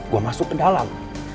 gue masuk ke dalam